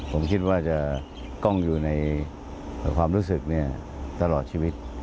ผมคิดว่าจะต้องอยู่ในความรู้สึกตลอดชีวิต